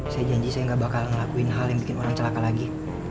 saya janji saya gak bakal ngelakuin hal yang bikin orang celaka lagi